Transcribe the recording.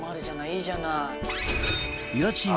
いいじゃない。